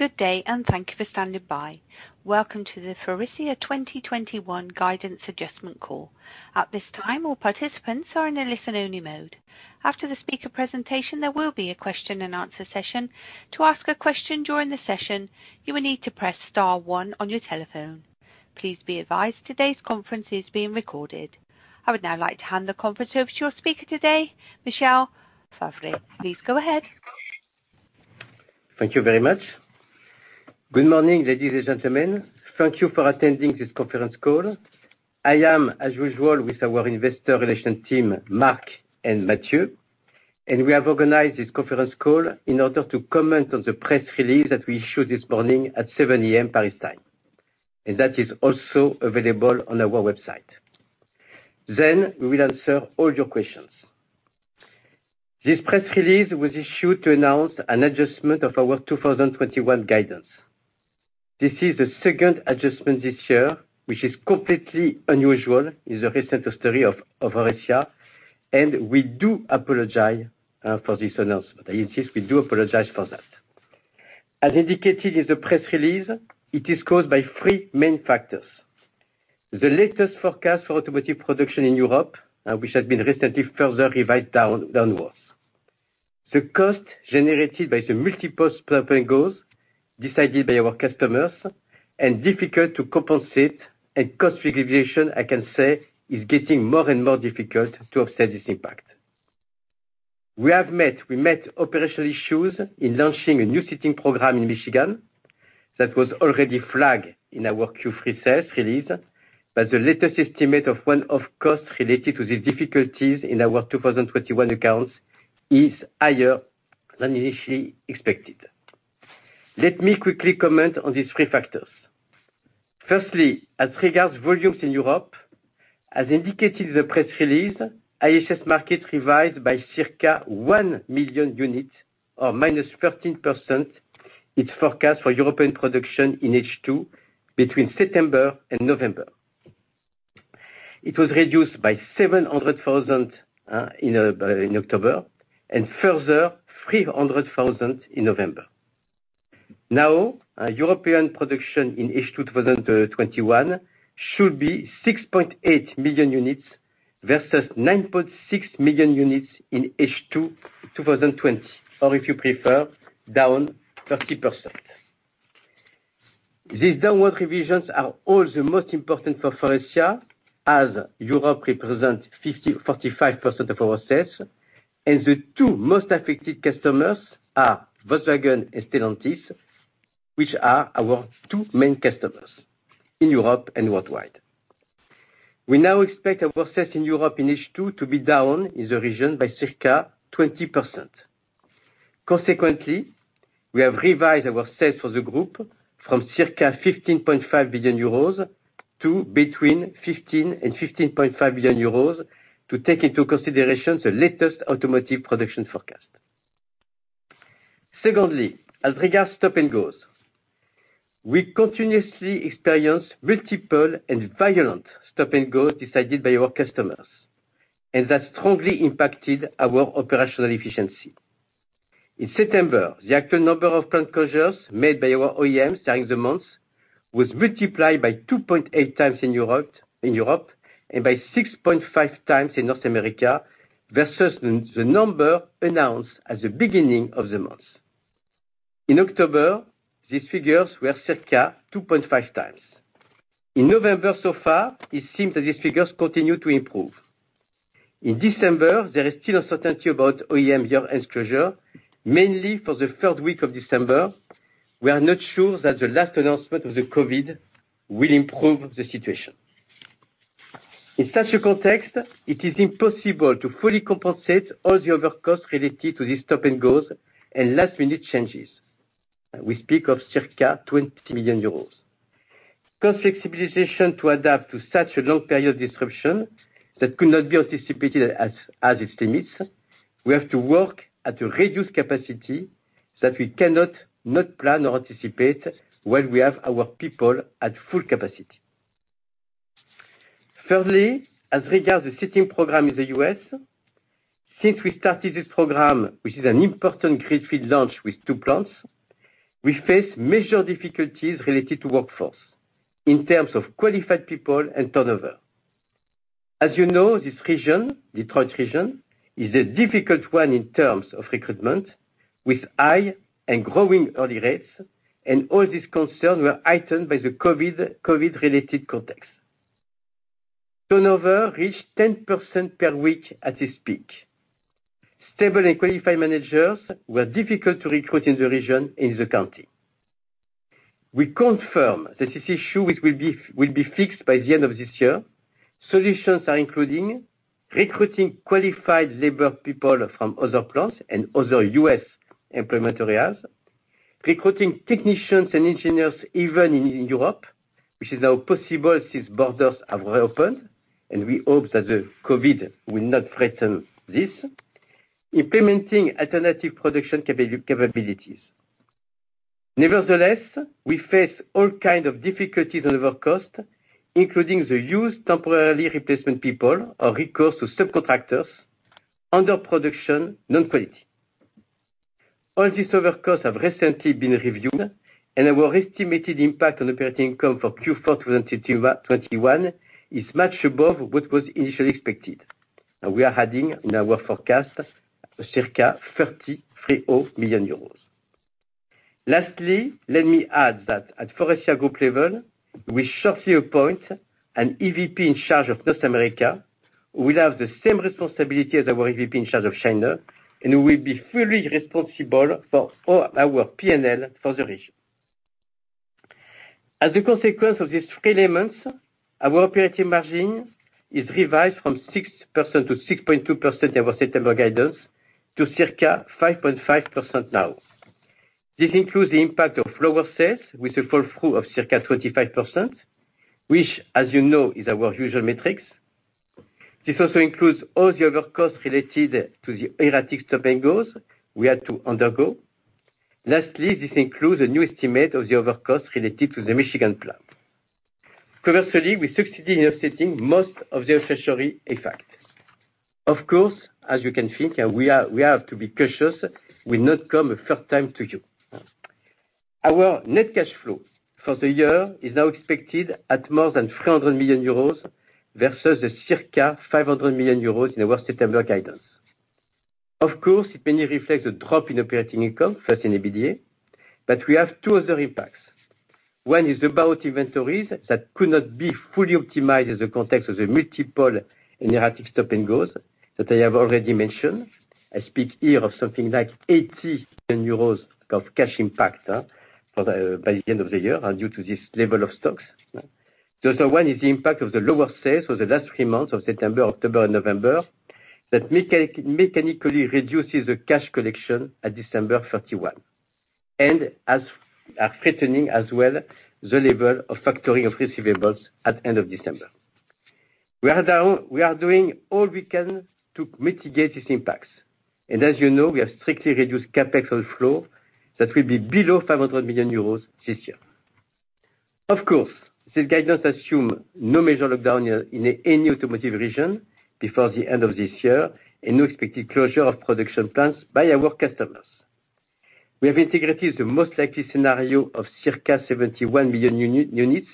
Good day, and thank you for standing by. Welcome to the Faurecia 2021 guidance adjustment call. At this time, all participants are in a listen-only mode. After the speaker presentation, there will be a question and answer session. To ask a question during the session, you will need to press star one on your telephone. Please be advised today's conference is being recorded. I would now like to hand the conference over to your speaker today, Michel Favre. Please go ahead. Thank you very much. Good morning, ladies and gentlemen. Thank you for attending this conference call. I am, as usual, with our investor relations team, Marc and Mathieu, and we have organized this conference call in order to comment on the press release that we issued this morning at 7 A.M. Paris time, and that is also available on our website. Then we will answer all your questions. This press release was issued to announce an adjustment of our 2021 guidance. This is the second adjustment this year, which is completely unusual in the recent history of Faurecia, and we do apologize for this announcement. I insist we do apologize for that. As indicated in the press release, it is caused by three main factors. The latest forecast for automotive production in Europe, which has been recently further revised downwards. The cost generated by the multiple stop and goes decided by our customers and difficult to compensate, and cost revision, I can say, is getting more and more difficult to offset this impact. We met operational issues in launching a new seating program in Michigan that was already flagged in our Q3 sales release, but the latest estimate of one-off costs related to these difficulties in our 2021 accounts is higher than initially expected. Let me quickly comment on these three factors. Firstly, as regards volumes in Europe, as indicated in the press release, IHS Markit revised by circa 1 million units or -13% its forecast for European production in H2 between September and November. It was reduced by 700,000 in October and further 300,000 in November. Now, European production in H2 2021 should be 6.8 million units versus 9.6 million units in H2 2020, or if you prefer, down 30%. These downward revisions are all the most important for Faurecia, as Europe represents 45% of our sales, and the two most affected customers are Volkswagen and Stellantis, which are our two main customers in Europe and worldwide. We now expect our sales in Europe in H2 to be down in the region by circa 20%. Consequently, we have revised our sales for the group from circa 15.5 billion euros to between 15 billion and 15.5 billion euros to take into consideration the latest automotive production forecast. Secondly, as regards stop and goes, we continuously experience multiple and violent stop and go decided by our customers, and that strongly impacted our operational efficiency. In September, the actual number of plant closures made by our OEMs during the months was multiplied by 2.8x in Europe and by 6.5x in North America versus the number announced at the beginning of the month. In October, these figures were circa 2.5x. In November so far, it seems that these figures continue to improve. In December, there is still uncertainty about OEM year-end closure, mainly for the third week of December. We are not sure that the last announcement of the COVID will improve the situation. In such a context, it is impossible to fully compensate all the overcost related to this stop and goes and last-minute changes. We speak of circa 20 million euros. Cost flexibility to adapt to such a long period of disruption that could not be anticipated as estimates, we have to work at a reduced capacity that we cannot not plan or anticipate when we have our people at full capacity. Thirdly, as regards the Seating program in the U.S., since we started this program, which is an important growth field launch with two plants, we face major difficulties related to workforce in terms of qualified people and turnover. As you know, this region, Detroit region, is a difficult one in terms of recruitment, with high and growing attrition rates, and all these concerns were heightened by the COVID-related context. Turnover reached 10% per week at its peak. Stable and qualified managers were difficult to recruit in the region, in the country. We confirm that this issue will be fixed by the end of this year. Solutions are including recruiting qualified labor people from other plants and other U.S. implementation areas, recruiting technicians and engineers even in Europe, which is now possible since borders have reopened, and we hope that the COVID will not threaten this. Implementing alternative production capabilities. Nevertheless, we face all kinds of difficulties on overcosts, including the use of temporary replacement people or recourse to subcontractors under production, non-quality. All these overcosts have recently been reviewed, and our estimated impact on operating income for Q4 2021 is much above what was initially expected. Now we are adding in our forecast circa 330 million euros. Lastly, let me add that at Faurecia group level, we shortly appoint an EVP in charge of North America, who will have the same responsibility as our EVP in charge of China, and who will be fully responsible for our P&L for the region. As a consequence of these three elements, our operating margin is revised from 6%-6.2% in our September guidance to circa 5.5% now. This includes the impact of lower sales with a flow-through of circa 25%, which as you know, is our usual metrics. This also includes all the other costs related to the erratic stop and goes we had to undergo. Lastly, this includes a new estimate of the overcost related to the Michigan plant. Conversely, we succeeded in offsetting most of the inflationary effects. Of course, as you can think, we have to be cautious. It will not come a third time to you. Our net cash flow for the year is now expected at more than 300 million euros versus circa 500 million euros in our September guidance. Of course, it mainly reflects a drop in operating income, first in EBITDA, but we have two other impacts. One is about inventories that could not be fully optimized in the context of the multiple erratic stop and goes that I have already mentioned. I speak here of something like 80 million euros of cash impact by the end of the year, and due to this level of stocks. The other one is the impact of the lower sales for the last three months of September, October and November, that mechanically reduces the cash collection at December 31, and also threatening as well, the level of factoring of receivables at end of December. We are doing all we can to mitigate these impacts. As you know, we have strictly reduced CapEx on flow that will be below 500 million euros this year. Of course, this guidance assume no major lockdown in any automotive region before the end of this year and no expected closure of production plants by our customers. We have integrated the most likely scenario of circa 71 million units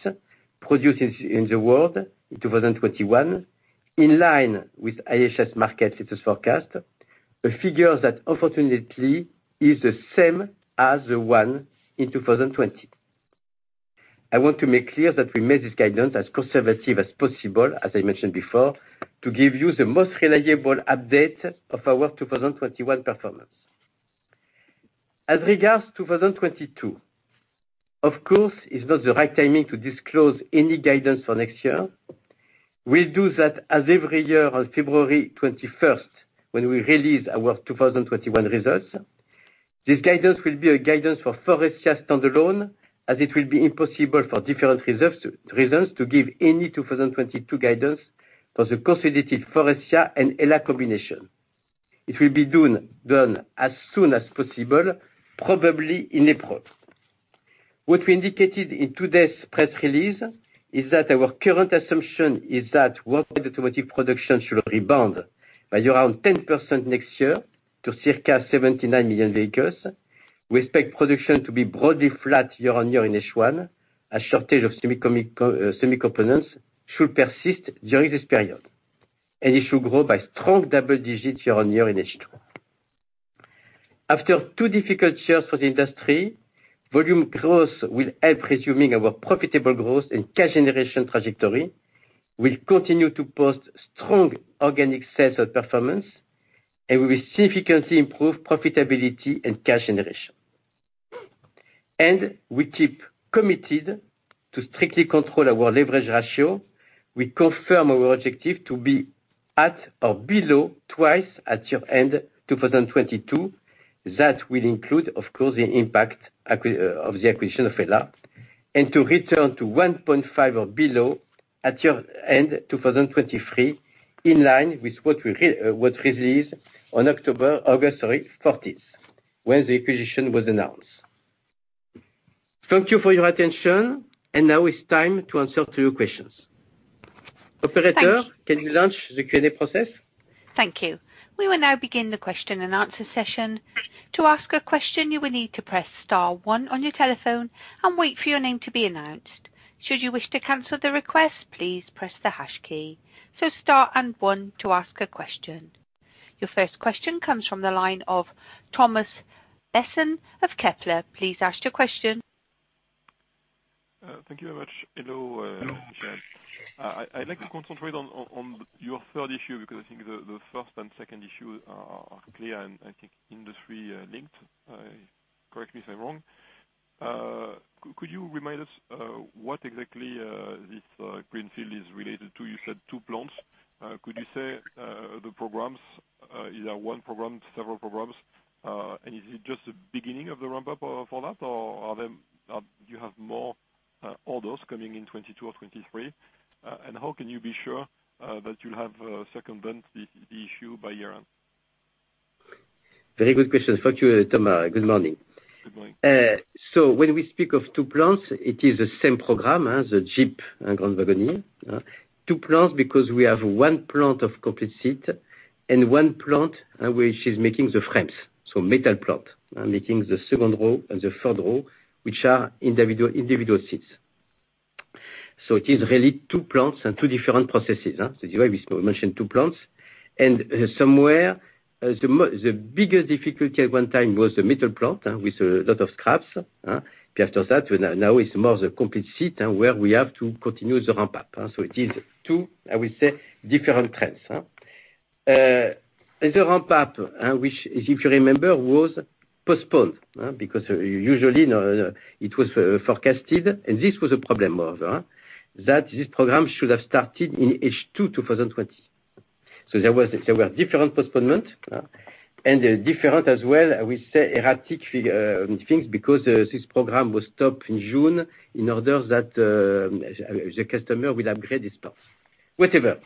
produced in the world in 2021, in line with IHS Markit's latest forecast, a figure that unfortunately is the same as the one in 2020. I want to make clear that we made this guidance as conservative as possible, as I mentioned before, to give you the most reliable update of our 2021 performance. As regards to 2022, of course is not the right timing to disclose any guidance for next year. We'll do that as every year on February 21st, when we release our 2021 results. This guidance will be a guidance for Faurecia standalone, as it will be impossible for different reasons to give any 2022 guidance for the consolidated Faurecia and HELLA combination. It will be done as soon as possible, probably in April. What we indicated in today's press release is that our current assumption is that worldwide automotive production should rebound by around 10% next year to circa 79 million vehicles. We expect production to be broadly flat year-over-year in H1 as shortage of semiconductors should persist during this period. It should grow by strong double digits year-over-year in H2. After two difficult years for the industry, volume growth will help resuming our profitable growth and cash generation trajectory will continue to post strong organic sales performance, and we will significantly improve profitability and cash generation. We keep committed to strictly control our leverage ratio. We confirm our objective to be at or below 2x at year-end 2022. That will include, of course, the impact of the acquisition of HELLA, and to return to 1.5x or below at year-end 2023, in line with what we released on August 14th when the acquisition was announced. Thank you for your attention, and now it's time to answer to your questions. Thank you. Operator, can you launch the Q&A process? Thank you. We will now begin the question-and-answer session. To ask a question, you will need to press star one on your telephone and wait for your name to be announced. Should you wish to cancel the request, please press the hash key. Star and one to ask a question. Your first question comes from the line of Thomas Besson of Kepler. Please ask your question. Thank you very much. Hello. Hello. I'd like to concentrate on your third issue because I think the first and second issue are clear and I think industry-linked. Correct me if I'm wrong. Could you remind us what exactly this greenfield is related to? You said two plants. Could you say the programs, either one program, several programs, and is it just the beginning of the ramp-up or is that, or are there more orders coming in 2022 or 2023? And how can you be sure that you'll have circumvented the issue by year-end? Very good question. Thank you, Thomas. Good morning. Good morning. When we speak of two plants, it is the same program as the Jeep Grand Wagoneer. Two plants, because we have one plant of complete seat and one plant which is making the frames. Metal plant, making the second row and the third row, which are individual seats. It is really two plants and two different processes, huh? That's why we mentioned two plants. Somewhere, the biggest difficulty at one time was the middle plant with a lot of scraps, huh? After that, now it's more the complete seat and where we have to continue the ramp up. It is two, I would say, different trends, huh? The ramp up, which is, if you remember, was postponed because usually it was forecasted, and this was a problem also, that this program should have started in H2 2020. There were different postponement and different as well, we say, erratic things because this program was stopped in June in order that the customer will upgrade his parts. Whatever.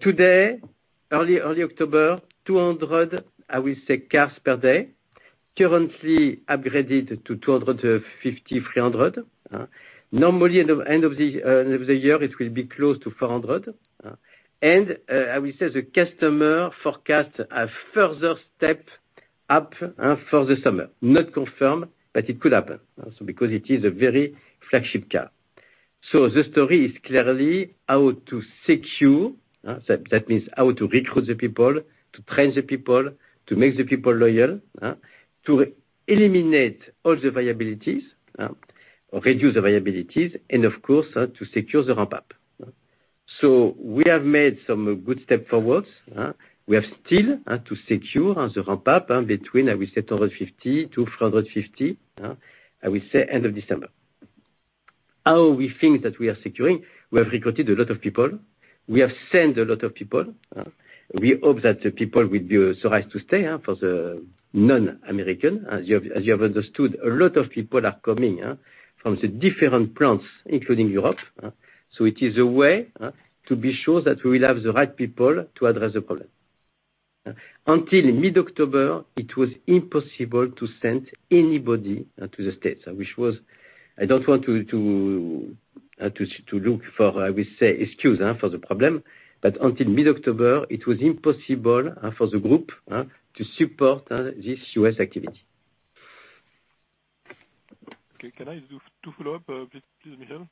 Today, early October, 200, I will say cars per day, currently upgraded to 200 to 250, 300. Normally, end of the year, it will be close to 400. I will say the customer forecast a further step up for the summer. Not confirmed, but it could happen, because it is a very flagship car. The story is clearly how to secure, that means how to recruit the people, to train the people, to make the people loyal, to eliminate all the variabilities, or reduce the variabilities, and of course, to secure the ramp up. We have made some good step forwards. We have still to secure the ramp up between, I will say 250-450, I will say end of December. How we think that we are securing, we have recruited a lot of people, we have sent a lot of people. We hope that the people will be surprised to stay for the non-American. As you have understood, a lot of people are coming from the different plants, including Europe. It is a way to be sure that we will have the right people to address the problem. Until mid-October, it was impossible to send anybody to the States, which was. I don't want to look for, I will say, excuse for the problem, but until mid-October, it was impossible for the group to support this U.S. activity. Okay. Can I do two follow-up, please, Michel?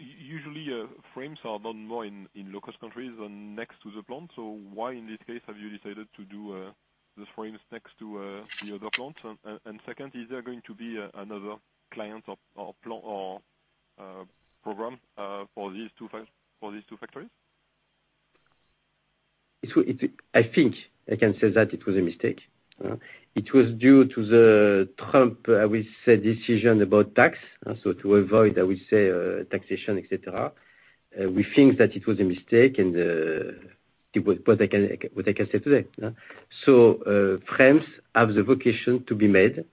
Usually, frames are done more in local countries and next to the plant. Why in this case have you decided to do the frames next to the other plant? Second, is there going to be another client or program for these two factories? I think I can say that it was a mistake. It was due to the Trump decision about tax. To avoid, I will say, taxation, et cetera. We think that it was a mistake and what I can say today. Frames have the vocation to be made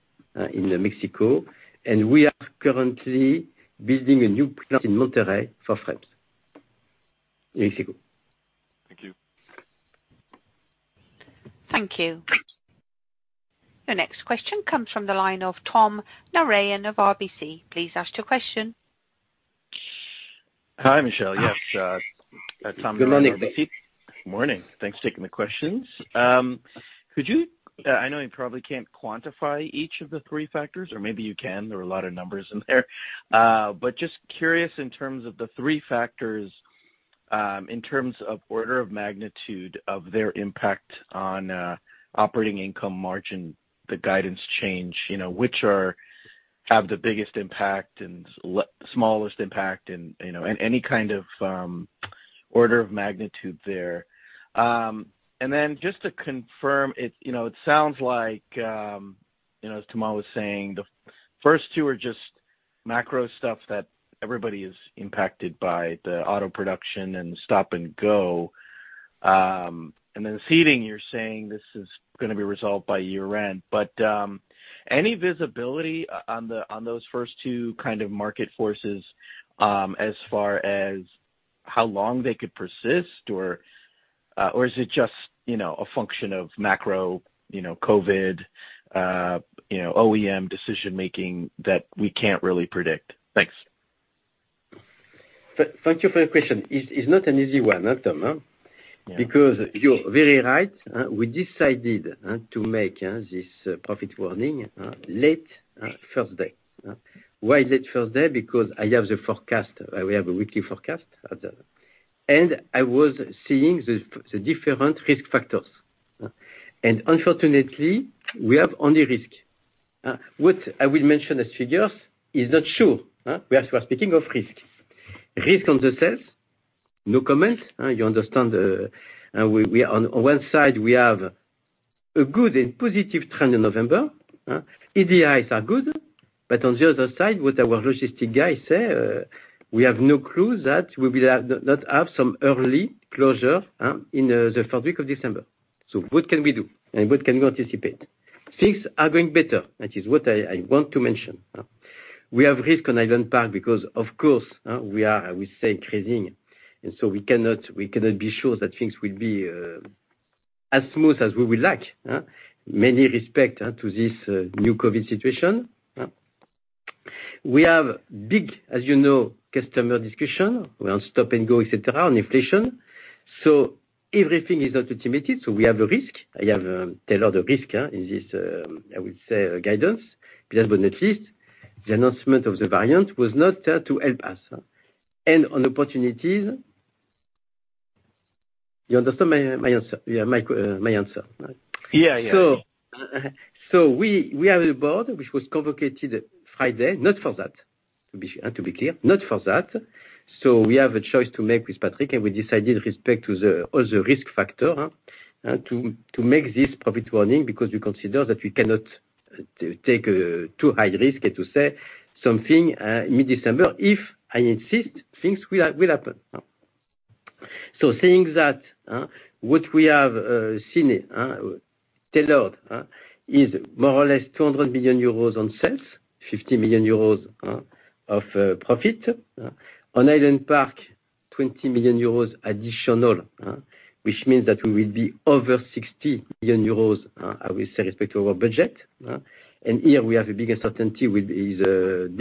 in Mexico, and we are currently building a new plant in Monterrey for frames. Mexico. Thank you. Thank you. The next question comes from the line of Tom Narayan of RBC. Please ask your question. Hi, Michel. Yes, Tom Narayan with RBC. Good morning. Morning. Thanks for taking the questions. Could you? I know you probably can't quantify each of the three factors or maybe you can. There are a lot of numbers in there. Just curious in terms of the three factors, in terms of order of magnitude of their impact on operating income margin, the guidance change, you know, which have the biggest impact and smallest impact and, you know, any kind of order of magnitude there. Then just to confirm, it sounds like, you know, as Thomas was saying, the first two are just macro stuff that everybody is impacted by, the auto production and stop and go. Then Seating, you're saying this is gonna be resolved by year-end. Any visibility on those first two kind of market forces, as far as how long they could persist or is it just, you know, a function of macro, you know, COVID, you know, OEM decision-making that we can't really predict? Thanks. Thank you for your question. It's not an easy one, Tom, huh? Yeah. Because you're very right. We decided to make this profit warning late Thursday. Why late Thursday? Because I have the forecast. We have a weekly forecast. I was seeing the different risk factors. Unfortunately, we have only risk. What I will mention as figures is not sure. We are speaking of risk. Risk on the sales, no comment. You understand, we on one side, we have a good and positive trend in November. EDIs are good. But on the other side, what our logistic guys say, we have no clue that we will not have some early closure in the fourth week of December. So what can we do? What can we anticipate? Things are going better. That is what I want to mention. We have risk on Highland Park because of course, we are creating. We cannot be sure that things will be as smooth as we would like. In many respects to this new COVID situation. We have big, as you know, customer discussion around stop and go, et cetera, and inflation. Everything is not automatic, so we have a risk. I have a lot of risk in this, I would say guidance. At least the announcement of the variant was not there to help us. On opportunities. You understand my answer? Yeah, my answer. Yeah. Yeah. We have a board which was convened Friday, not for that, to be clear, not for that. We have a choice to make with Patrick, and we decided with respect to all the risk factors to make this profit warning because we consider that we cannot take a too high risk to say something mid-December. I insist, things will happen. Seeing that what we have seen so far is more or less 200 million euros on sales, 50 million euros of profit. On Highland Park, 20 million euros additional, which means that we will be over 60 million euros, I will say, with respect to our budget. And here we have a big uncertainty with these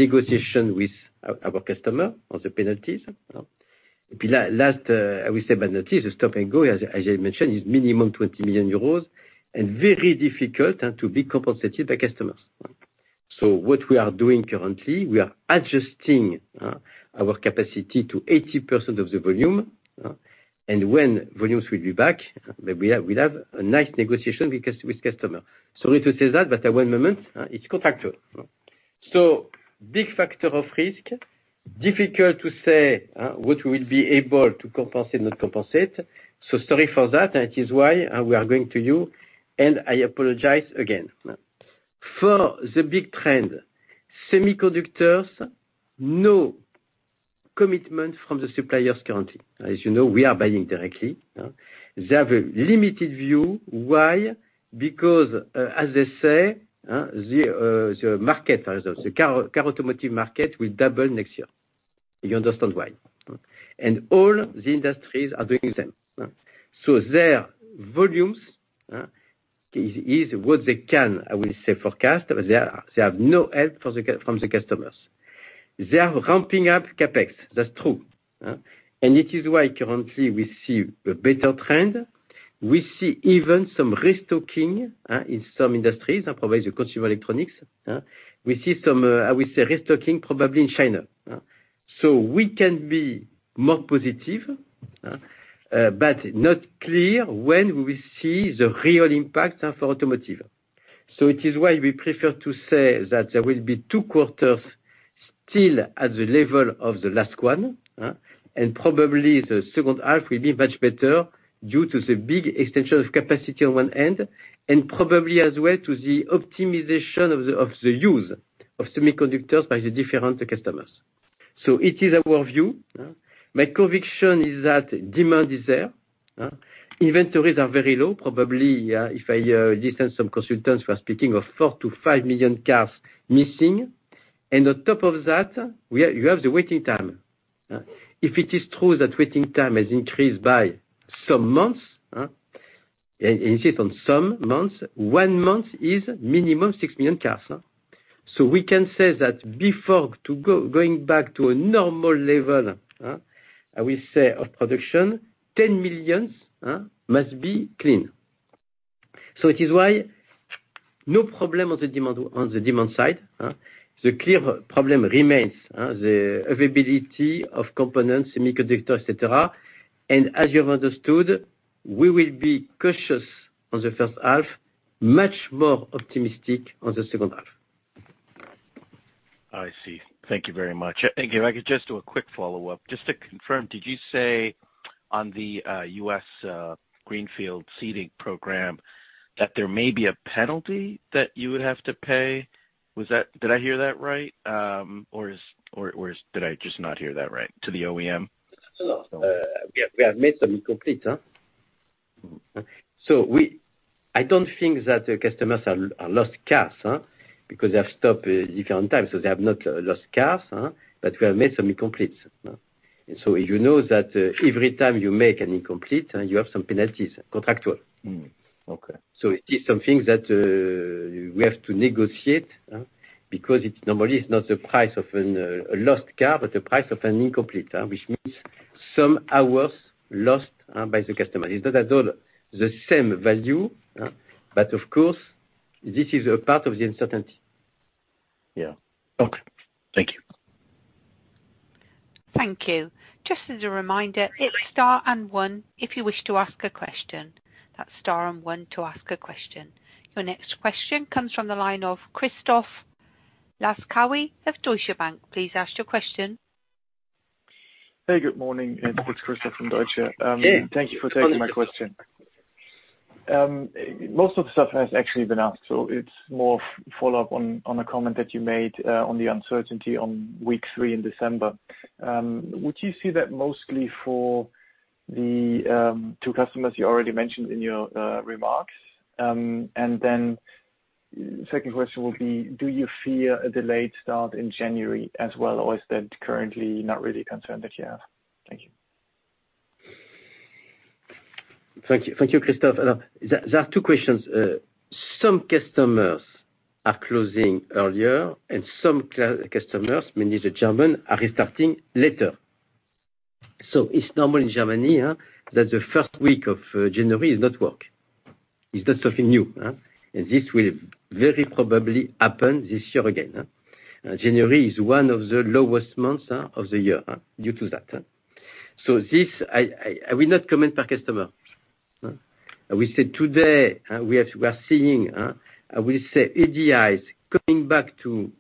negotiations with our customer on the penalties. Last, I will say penalties, the stop and go, as I mentioned, is minimum 20 million euros and very difficult to be compensated by customers. What we are doing currently, we are adjusting our capacity to 80% of the volume. When volumes will be back, then we'll have a nice negotiation because with customer. Sorry to say that, but one moment, it's contractual. Big factor of risk, difficult to say what we will be able to compensate, not compensate. Sorry for that, and it is why we are going to you, and I apologize again. For the big trend, semiconductors, no commitment from the suppliers currently. As you know, we are buying directly. They have a limited view. Why? Because, as I say, the market, the car automotive market will double next year. You understand why. All the industries are doing the same. Their volumes is what they can, I will say, forecast. They have no help from the customers. They are ramping up CapEx. That's true. It is why currently we see a better trend. We see even some restocking in some industries like consumer electronics. We see some, I would say, restocking probably in China. We can be more positive, but not clear when we will see the real impact of automotive. It is why we prefer to say that there will be two quarters still at the level of the last one, and probably the second half will be much better due to the big extension of capacity on one end, and probably as well to the optimization of the, of the use of semiconductors by the different customers. It is our view. My conviction is that demand is there. Inventories are very low, probably, if I listen to some consultants who are speaking of 4 million-5 million cars missing. On top of that, you have the waiting time. If it is true that waiting time has increased by some months, insist on some months, one month is minimum 6 million cars. We can say that before going back to a normal level, I will say, of production, 10 million must be clean. It is why no problem on the demand, on the demand side. The clear problem remains the availability of components, semiconductors, et cetera. As you have understood, we will be cautious on the first half, much more optimistic on the second half. I see. Thank you very much. Thank you. If I could just do a quick follow-up just to confirm, did you say on the U.S. Greenfield Seating program that there may be a penalty that you would have to pay? Did I hear that right? Or did I just not hear that right to the OEM? No. We have made some incomplete. I don't think that the customers have lost cars, because they have stopped different times, so they have not lost cars, but we have made some incompletes. If you know that, every time you make an incomplete, you have some penalties, contractual. Okay. It is something that we have to negotiate, because it's normally not the price of a lost car, but the price of an incomplete, which means some hours lost by the customer. It's not at all the same value, but of course, this is a part of the uncertainty. Yeah. Okay. Thank you. Thank you. Just as a reminder, it's star and one if you wish to ask a question. That's star and one to ask a question. Your next question comes from the line of Christoph Laskawi of Deutsche Bank. Please ask your question. Hey, good morning. It's Christoph from Deutsche. Hey. Thank you for taking my question. Most of the stuff has actually been asked, so it's more follow-up on a comment that you made on the uncertainty on week three in December. Would you say that mostly for- The two customers you already mentioned in your remarks. Second question will be: Do you fear a delayed start in January as well? Or is that currently not really a concern that you have? Thank you. Thank you. Thank you, Christoph. There are two questions. Some customers are closing earlier, and some customers, mainly the German, are restarting later. It's normal in Germany that the first week of January is not work. It's not something new? This will very probably happen this year again. January is one of the lowest months of the year due to that. This I will not comment per customer. We said today we are seeing, I will say AGIs coming back to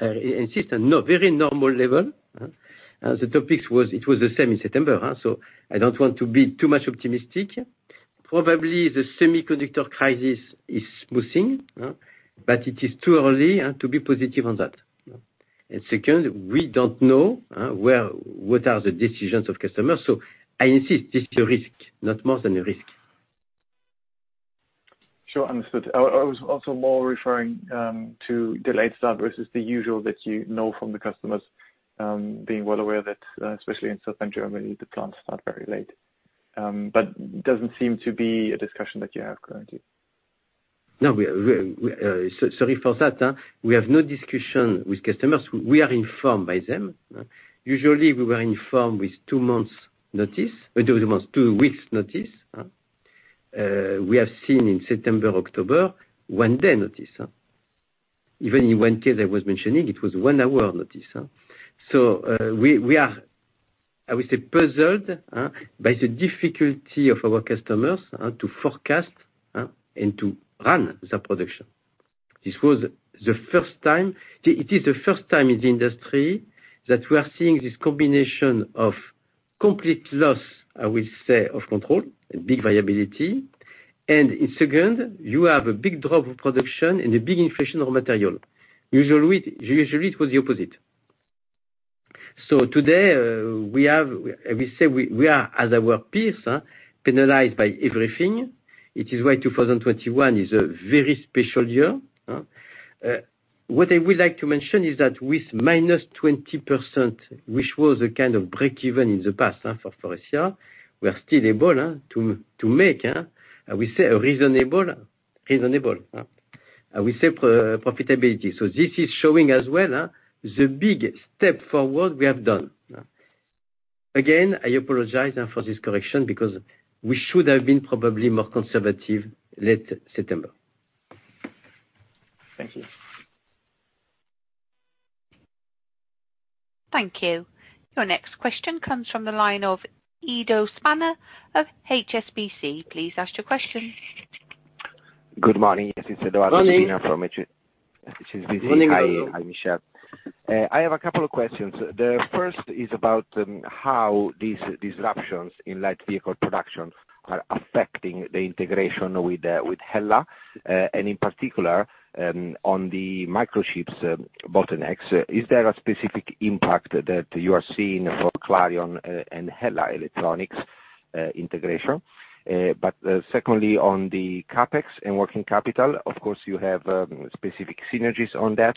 its normal level. The topic was the same in September, so I don't want to be too optimistic. Probably the semiconductor crisis is smoothing, but it is too early to be positive on that. Second, we don't know what are the decisions of customers. I insist this is a risk, not more than a risk. Sure. Understood. I was also more referring to delayed start versus the usual that you know from the customers, being well aware that, especially in Southern Germany, the plants start very late. Doesn't seem to be a discussion that you have currently. No, we're so sorry for that. We have no discussion with customers. We are informed by them. Usually, we were informed with two months' notice. Two months, two weeks' notice. We have seen in September, October, one-day notice. Even in one case I was mentioning, it was one hour notice. So, we are, I would say, puzzled by the difficulty of our customers to forecast and to run the production. It is the first time in the industry that we are seeing this combination of complete loss, I will say, of control and big variability. In second, you have a big drop of production and a big inflation of material. Usually it was the opposite. Today, we are, as our peers, penalized by everything. It is why 2021 is a very special year. What I would like to mention is that with -20%, which was a kind of break-even in the past, for Faurecia, we are still able to make, I will say, a reasonable profitability. This is showing as well the big step forward we have done. Again, I apologize for this correction because we should have been probably more conservative late September. Thank you. Thank you. Your next question comes from the line of Edoardo Spina of HSBC. Please ask your question. Good morning. Yes, it's Edoardo Spina. Morning. From HSBC. Morning, Edoardo. Hi, Michel. I have a couple of questions. The first is about how these disruptions in light vehicle production are affecting the integration with HELLA, and in particular, on the microchip bottlenecks. Is there a specific impact that you are seeing for Clarion and HELLA Electronics integration? Secondly, on the CapEx and working capital, of course you have specific synergies on that.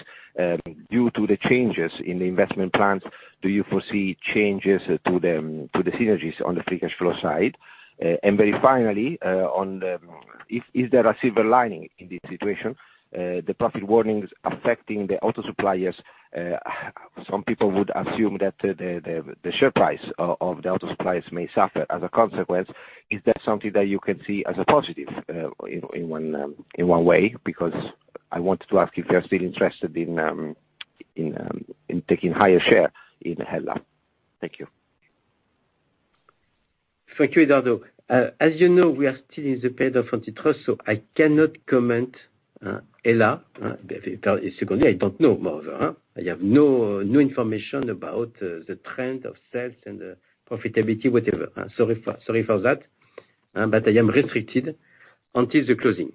Due to the changes in the investment plans, do you foresee changes to the synergies on the free cash flow side? Very finally, is there a silver lining in this situation? The profit warnings affecting the auto suppliers, some people would assume that the share price of the auto suppliers may suffer as a consequence. Is that something that you can see as a positive, you know, in one way? Because I wanted to ask if you are still interested in taking higher share in HELLA. Thank you. Thank you, Edoardo. As you know, we are still in the period of antitrust, so I cannot comment on HELLA. Secondly, I don't know, moreover, I have no information about the trend of sales and the profitability, whatever. Sorry for that, but I am restricted until the closing.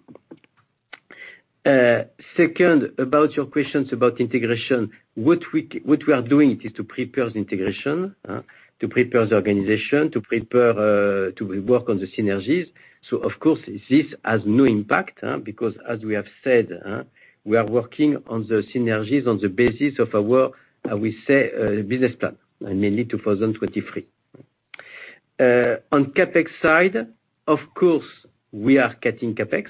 Second, about your questions about integration. What we are doing is to prepare the integration, to prepare the organization, to prepare to work on the synergies. So of course, this has no impact, because as we have said, we are working on the synergies on the basis of our business plan, mainly 2023. On CapEx side, of course, we are cutting CapEx.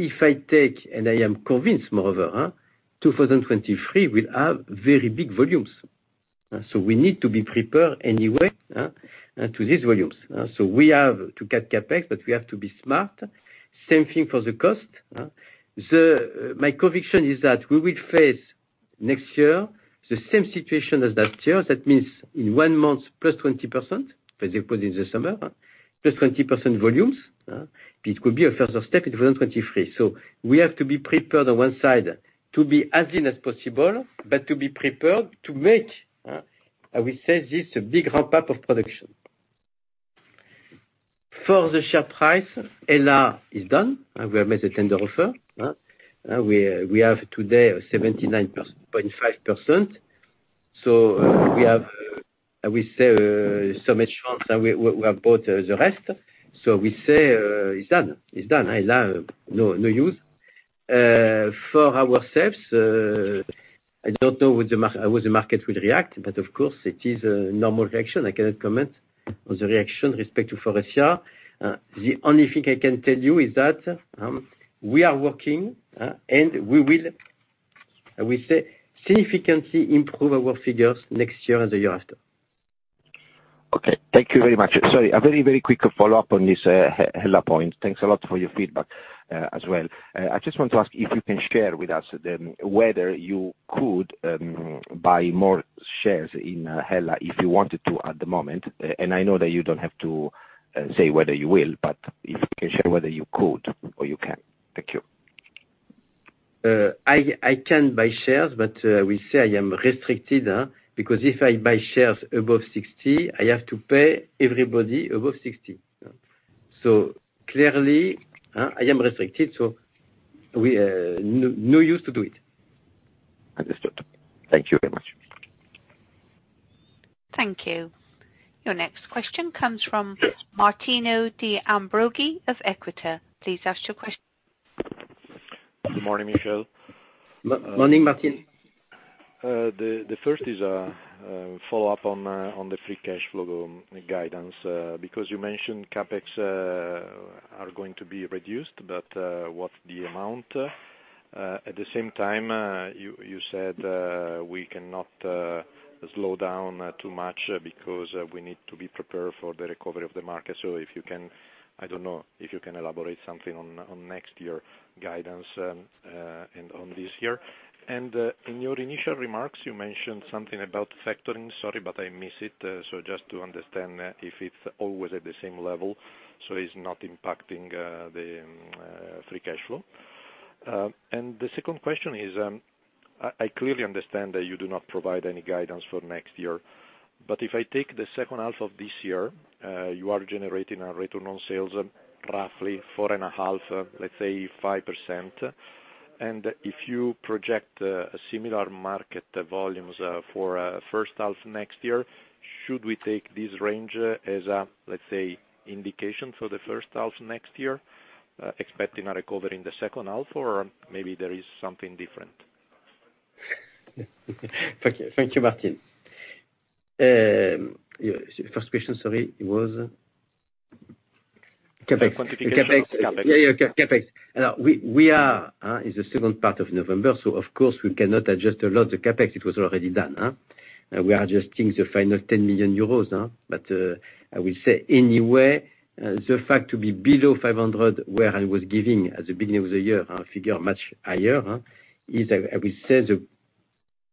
If I take, and I am convinced moreover, 2023 will have very big volumes. We need to be prepared anyway to these volumes. We have to cut CapEx, but we have to be smart. Same thing for the cost. My conviction is that we will face next year the same situation as that year. That means in one month, 20%+, for example, in the summer, 20%+ volumes. It could be a further step in 2023. We have to be prepared on one side to be as lean as possible, but to be prepared to make, I will say this, a big ramp-up of production. For the share price, HELLA is done. We have made a tender offer. We have today 79.5%. We have such a chance that we have bought the rest. It's done. HELLA, no use for ourselves. I don't know how the market will react, but of course it is a normal reaction. I cannot comment on the reaction respect to Faurecia. The only thing I can tell you is that we are working and we will significantly improve our figures next year and the year after. Okay. Thank you very much. Sorry, a very, very quick follow-up on this HELLA point. Thanks a lot for your feedback, as well. I just want to ask if you can share with us then whether you could buy more shares in HELLA if you wanted to at the moment. I know that you don't have to say whether you will, but if you can share whether you could or you can't. Thank you. I can buy shares, but we say I am restricted because if I buy shares above 60, I have to pay everybody above 60. Clearly, I am restricted, so we know no use to do it. Understood. Thank you very much. Thank you. Your next question comes from Martino De Ambroggi of Equita. Please ask your question. Good morning, Michel. Morning, Martino. The first is a follow-up on the free cash flow guidance, because you mentioned CapEx are going to be reduced, but what's the amount? At the same time, you said we cannot slow down too much because we need to be prepared for the recovery of the market. If you can, I don't know if you can elaborate something on next year guidance and on this year. In your initial remarks, you mentioned something about factoring. Sorry, but I miss it. Just to understand if it's always at the same level, so it's not impacting the free cash flow. The second question is, I clearly understand that you do not provide any guidance for next year, but if I take the second half of this year, you are generating a return on sales roughly 4.5%, let's say 5%. If you project a similar market volumes for first half next year, should we take this range as, let's say, indication for the first half next year, expecting a recovery in the second half? Maybe there is something different. Thank you. Thank you, Martino. Yeah. First question, sorry, was? CapEx. CapEx. The quantification of CapEx. Yeah, CapEx. Now, we are in the second part of November, so of course we cannot adjust a lot the CapEx. It was already done. We are adjusting the final 10 million euros, but I will say anyway, the fact to be below 500 million, where I was giving at the beginning of the year a figure much higher, is I will say the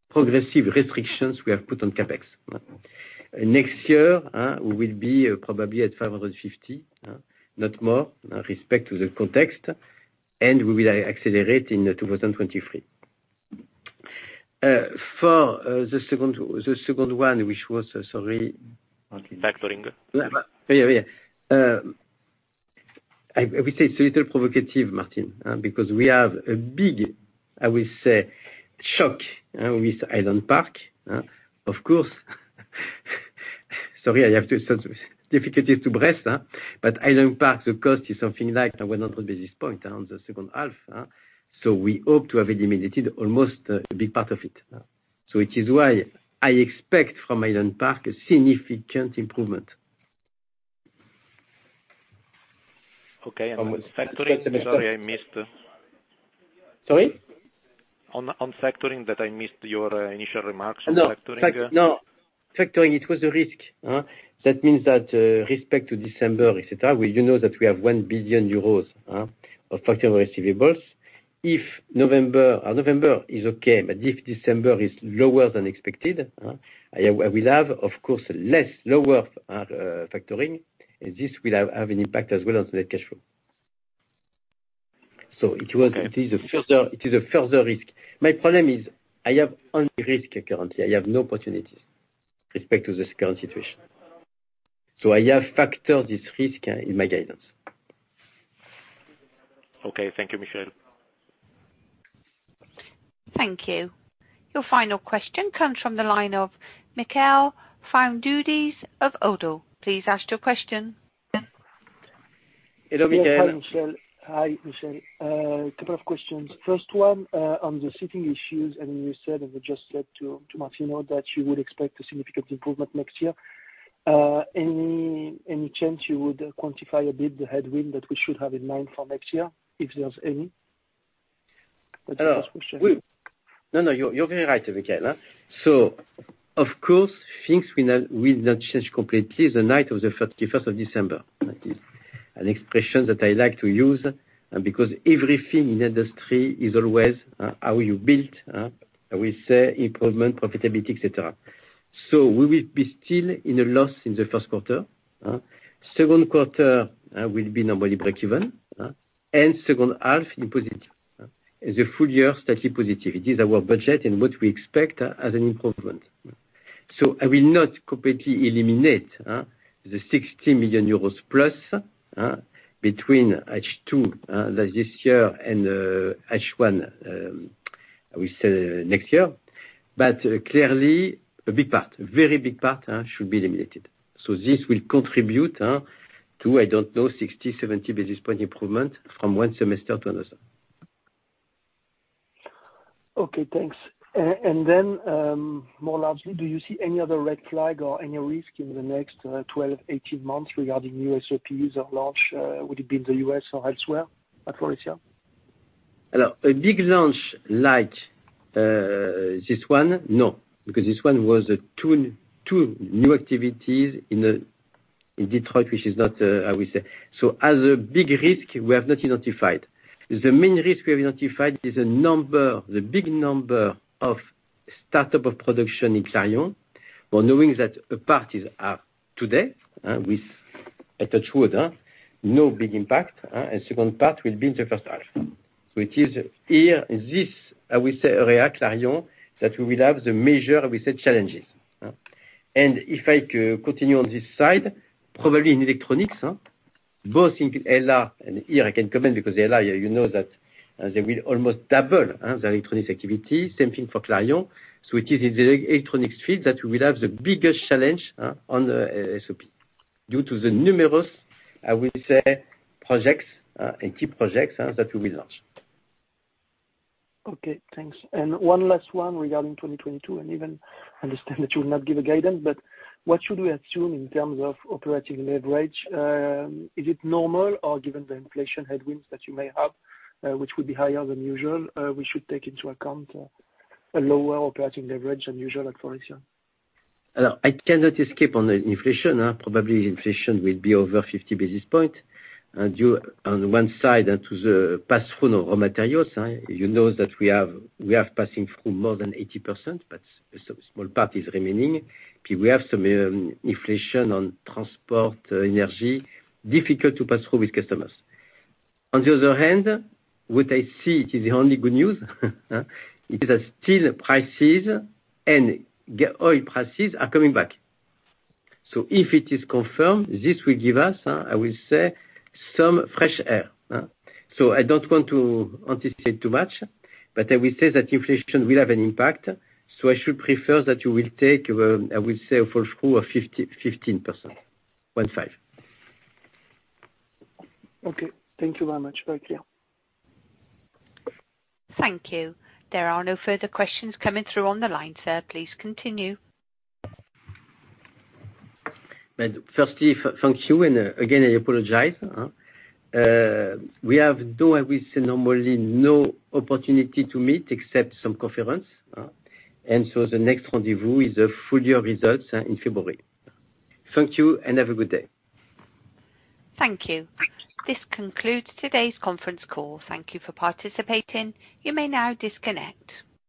progressive restrictions we have put on CapEx. Next year, we will be probably at 550 million, not more, respect to the context, and we will accelerate in 2023. For the second one, which was, sorry. Factoring. Yeah, yeah. I will say it's a little provocative, Martino, because we have a big, I will say, shock with Highland Park. Of course, sorry, I have some difficulty breathing, but Highland Park, the cost is something like 100 basis points on the second half, so we hope to have eliminated almost a big part of it. It is why I expect from Highland Park a significant improvement. Okay. Factoring, sorry, I missed. Sorry? On factoring that I missed your initial remarks on factoring. No factoring, it was a risk. That means that, respect to December, et cetera, we do know that we have 1 billion euros of factoring receivables. If November is okay, but if December is lower than expected, I will have, of course, less, lower factoring, and this will have an impact as well on the net cash flow. It was Okay. It is a further risk. My problem is I have only risk currently. I have no opportunities with respect to this current situation. I have factored this risk in my guidance. Okay. Thank you, Michel. Thank you. Your final question comes from the line of Michael Foundoukidis of ODDO. Please ask your question. Hello, Michael. Yes. Hi, Michel. A couple of questions. First one, on the supply issues, and you just said to Martino that you would expect a significant improvement next year. Any chance you would quantify a bit the headwind that we should have in mind for next year, if there's any? Uh- That's the first question. No, no, you're very right, Michael. Of course, things will not change completely the night of the thirty-first of December. That is an expression that I like to use, because everything in industry is always how you build, we say improvement, profitability, et cetera. We will be still in a loss in the first quarter. Second quarter will be normally breakeven, and second half in positive, and the full year slightly positive. It is our budget and what we expect as an improvement. I will not completely eliminate the 60 million euros plus between H2 that this year and H1 we say next year. Clearly a big part, very big part, should be eliminated. This will contribute to, I don't know, 60-70 basis point improvement from one semester to another. Okay, thanks. More largely, do you see any other red flag or any risk in the next 12, 18 months regarding new SOPs or launch? Would it be in the U.S. or elsewhere at Faurecia? A big launch like this one, no, because this one was two new activities in Detroit which is not, I would say. As a big risk we have not identified. The main risk we have identified is a number, the big number of startup of production in Clarion. While knowing that a part is up today, with a touch wood, no big impact, and second part will be in the first half. It is here, this I will say at Clarion, that we will have the measure with the challenges. If I could continue on this side, probably in electronics, both in HELLA and here I can comment because HELLA you know that they will almost double the electronics activity. Same thing for Clarion. It is in the electronics field that we will have the biggest challenge on the SOP due to the numerous, I will say projects, and key projects that we will launch. Okay, thanks. One last one regarding 2022, and I even understand that you will not give guidance, but what should we assume in terms of operating leverage? Is it normal or given the inflation headwinds that you may have, which would be higher than usual, we should take into account a lower operating leverage than usual at Faurecia. I cannot escape on the inflation. Probably inflation will be over 50 basis points. You, on one side on to the pass-through of raw materials, you know that we have passing through more than 80%, but small part is remaining. We have some inflation on transport, energy, difficult to pass through with customers. On the other hand, what I see is the only good news, it is that steel prices and oil prices are coming back. If it is confirmed, this will give us, I will say, some fresh air. I don't want to anticipate too much, but I will say that inflation will have an impact. I should prefer that you will take, I will say, 40%-50%, 15%, 15%. Okay, thank you very much. Very clear. Thank you. There are no further questions coming through on the line, sir. Please continue. Firstly, thank you. Again, I apologize. We have though I will say normally no opportunity to meet except some conference, and so the next rendezvous is the full year results in February. Thank you and have a good day. Thank you. This concludes today's conference call. Thank you for participating. You may now disconnect.